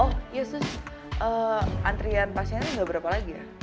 oh ya sus antrian pasiennya udah berapa lagi ya